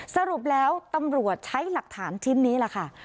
สรุปแล้วตำรวจใช้หลักฐานชิ้นนี้แหละค่ะ